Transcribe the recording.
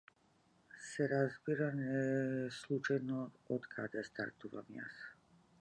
Се разбира, не е случајно од каде стартувам јас.